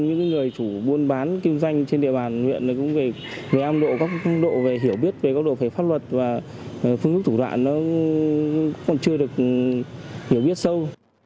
những người chủ buôn bán kinh doanh trên địa bàn huyện cũng về âm độ về hiểu biết về pháp luật và phương thức thủ đoạn nó còn chưa được hiểu biết sâu